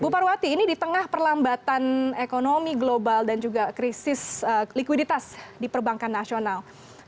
bu parwati ini di tengah perlambatan ekonomi global dan juga krisis likuiditas di perbankan nasional